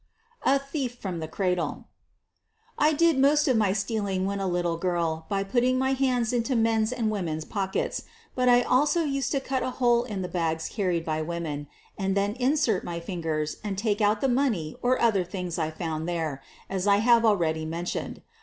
14 SOPHIE LYONS A THIEF FROM THE CRADLE I did most of my stealing when a little girl bj putting my hands into men's and women's pockets, but I also used to cut a hole in the bags carried by women — and then insert my fingers and take out the money or other things I found there, as I have already mentioned.